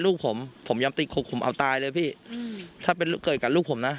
ลูกผมผมยอมติดคุกผมเอาตายเลยพี่อืมถ้าเป็นเกิดกับลูกผมนะ